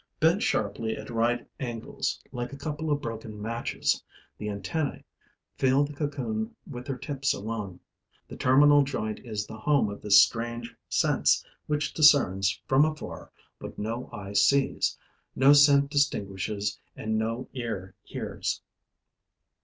Bent sharply at right angles, like a couple of broken matches, the antennae feel the cocoon with their tips alone. The terminal joint is the home of this strange sense which discerns from afar what no eye sees, no scent distinguishes and no ear hears.